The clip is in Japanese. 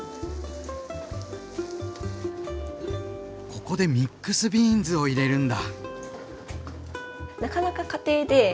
ここでミックスビーンズを入れるんだ！